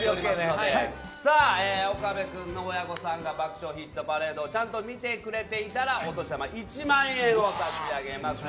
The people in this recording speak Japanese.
岡部君の親御さんが「爆笑ヒットパレード」をちゃんと見てくれていたらお年玉１万円を差し上げます。